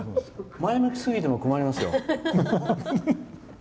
前向きすぎても困りますよ。